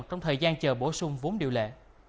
trong thời gian chờ bổ sung vốn điều lệ